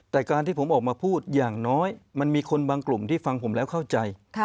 แต่การที่ผมออกมาพูดอย่างน้อยมันมีคนบางกลุ่มที่ฟังผมแล้วเข้าใจ